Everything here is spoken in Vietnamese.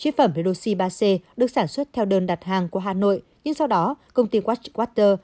chế phẩm redoxy ba c được sản xuất theo đơn đặt hàng của hà nội nhưng sau đó công ty watchwater